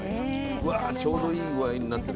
うわちょうどいい具合になってるよ。